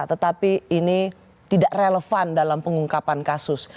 jadi ini tidak relevan dalam pengungkapan kasus